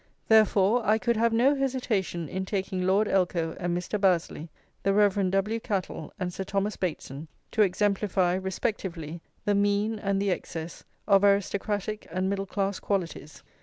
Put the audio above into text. Therefore I could have no hesitation in taking Lord Elcho and Mr. Bazley, the Rev. W. Cattle and Sir Thomas Bateson, to exemplify, respectively, the mean and the excess of aristocratic and middle class qualities.